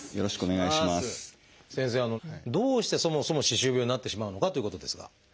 先生どうしてそもそも歯周病になってしまうのかということですが。